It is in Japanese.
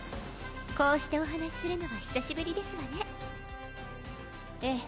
こうしてお話するのは久しぶりですわねええ